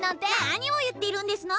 何を言っているんですの！